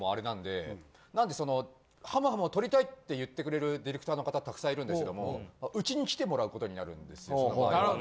なんではむはむを撮りたいって言ってくれるディレクターの方たくさんいるんですけどもウチに来てもらうことになるんですよ。